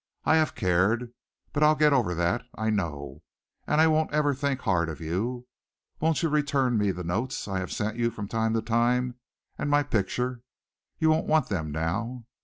I have cared, but I'll get over that, I know, and I won't ever think hard of you. Won't you return me the notes I have sent you from time to time, and my picture? You won't want them now.